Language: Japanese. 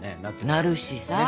なるしさ。